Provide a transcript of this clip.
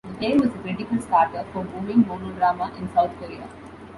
The play was a critical starter for booming mono drama in South Korea.